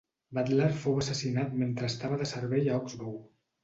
Butler fou assassinat mentre estava de servei a Oxbow.